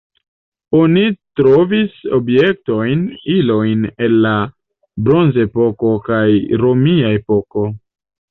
Oni trovis objektojn, ilojn el la bronzepoko kaj romia epoko.